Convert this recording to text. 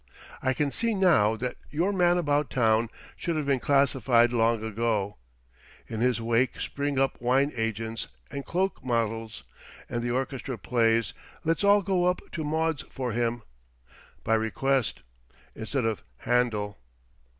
I can see now that your 'Man About Town' should have been classified long ago. In his wake spring up wine agents and cloak models; and the orchestra plays 'Let's All Go Up to Maud's' for him, by request, instead of Händel.